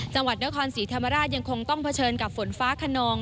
จังหวัดนครศรีธรรมราชยังคงต้องเผชิญกับฝนฟ้าขนอง